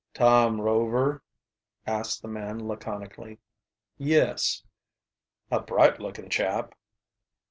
"Tom Rover?" asked the man laconically. "Yes." "A bright looking chap."